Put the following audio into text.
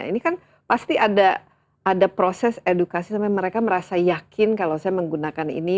ini kan pasti ada proses edukasi sampai mereka merasa yakin kalau saya menggunakan ini